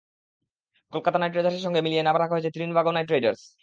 Kolkata Knight রাইডার্সের সঙ্গে মিলিয়ে নাম রাখা হয়েছে ত্রিনবাগো নাইট রাইডার্স।